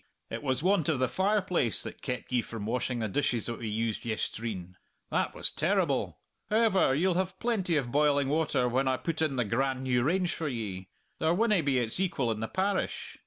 It was want of the fireplace that kept ye from washing the dishes that we used yestreen. That was terrible! However, ye'll have plenty of boiling water when I put in the grand new range for ye; there winna be its equal in the parish!